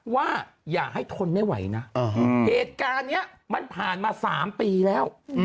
ว่าอย่าให้ทนไม่ไหวนะเหตุการณ์นี้มันผ่านมา๓ปีแล้ว